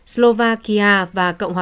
slovakia và cộng hòa